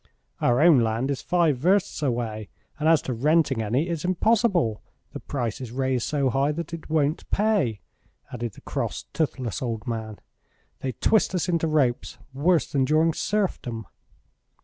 "Our own land is five versts away, and as to renting any it's impossible; the price is raised so high that it won't pay," added the cross, toothless old man. "They twist us into ropes, worse than during serfdom."